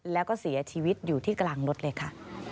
แล้วก็เสียชีวิตอยู่ที่กลางรถเลยค่ะ